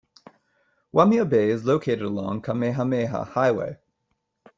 Waimea Bay is located along Kamehameha Highway.